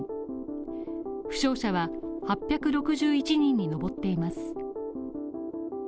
負傷者は８６１人に上っています。